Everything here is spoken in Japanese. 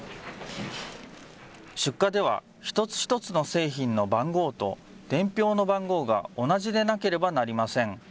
出荷では、一つ一つの製品の番号と、伝票の番号が同じでなければなりません。